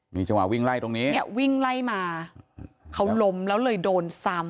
มีจังหวะวิ่งไล่ตรงนี้เนี่ยวิ่งไล่มาเขาล้มแล้วเลยโดนซ้ำ